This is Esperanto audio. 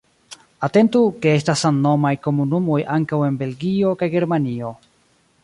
Atentu, ke estas samnomaj komunumoj ankaŭ en Belgio kaj Germanio.